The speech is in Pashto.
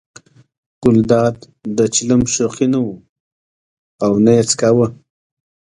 ګلداد د چلم شوقي نه و نه یې څکاوه.